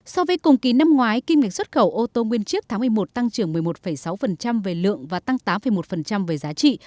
so với cùng kỳ năm ngoái kim ngạch xuất khẩu ô tô nguyên chiếc tháng một mươi một tăng trưởng một mươi một sáu về lượng và tăng tám một về giá trị